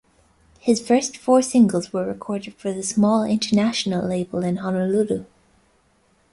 His first four singles were recorded for the small International label in Honolulu.